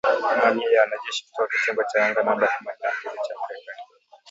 Mamia ya wanajeshi kutoka kitengo cha anga namba themanini na mbili cha Marekani